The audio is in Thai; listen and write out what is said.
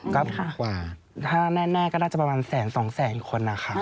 ก็ถ้าแน่ก็น่าจะประมาณแสนสองแสนคนนะคะ